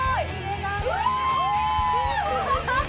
うわ！